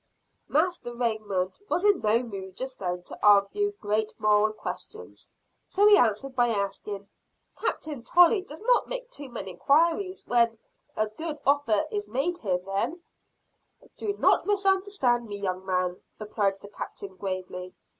Master Raymond was in no mood just then to argue great moral questions. So he answered by asking: "Captain Tolley does not make too many inquiries then when a good offer is made him?" "Do not misunderstand me, young man," replied the captain gravely.